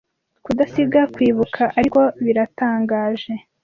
Kudasiga kwibuka ariko biratangaje